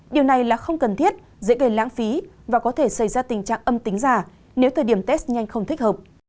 điều này là không cần thiết dễ gây lãng phí và có thể xảy ra tình trạng âm tính giả nếu thời điểm test nhanh không thích hợp